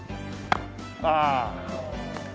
ああ。